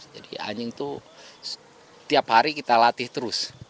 jadi anjing itu tiap hari kita latih terus